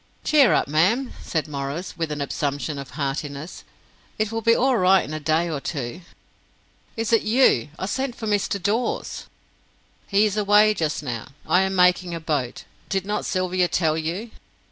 "Cheer up, ma'am," said Maurice, with an assumption of heartiness. "It will be all right in a day or two." "Is it you? I sent for Mr. Dawes." "He is away just now. I am making a boat. Did not Sylvia tell you?"